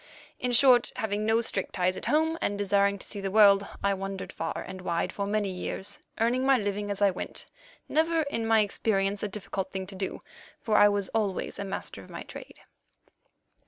In short, having no strict ties at home, and desiring to see the world, I wandered far and wide for many years, earning my living as I went, never, in my experience, a difficult thing to do, for I was always a master of my trade.